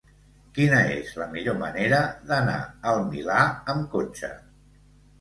Quina és la millor manera d'anar al Milà amb cotxe?